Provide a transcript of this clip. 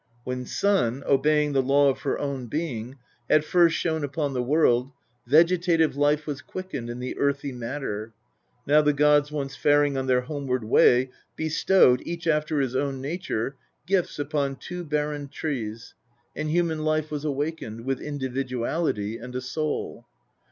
When Sun, obeying the law of her own being, had first shone upon the world, vegetative life was quickened in the earthy matter } now the gods once faring on their homeward way bestowed, each after his own nature, gifts upon two barren trees, and human life was awakened, with individuality and a soul.